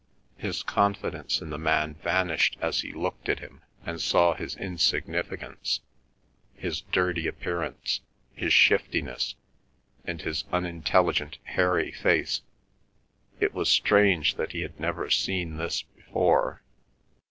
His confidence in the man vanished as he looked at him and saw his insignificance, his dirty appearance, his shiftiness, and his unintelligent, hairy face. It was strange that he had never seen this before.